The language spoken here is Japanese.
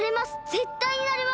ぜったいなれます！